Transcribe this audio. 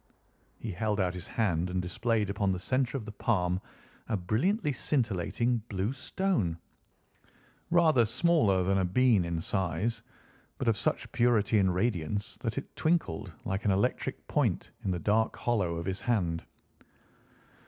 He held out his hand and displayed upon the centre of the palm a brilliantly scintillating blue stone, rather smaller than a bean in size, but of such purity and radiance that it twinkled like an electric point in the dark hollow of his hand.